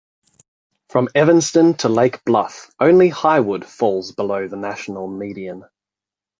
From Evanston to Lake Bluff, only Highwood falls below the national median.